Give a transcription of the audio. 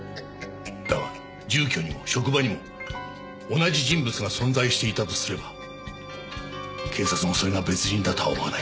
だが住居にも職場にも同じ人物が存在していたとすれば警察もそれが別人だとは思わない。